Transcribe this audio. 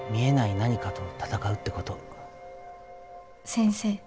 先生。